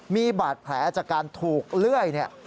มีบาดแผลจากการถูกเลื่อยเนี่ย